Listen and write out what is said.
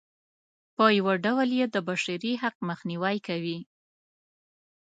په یوه ډول یې د بشري حق مخنیوی کوي.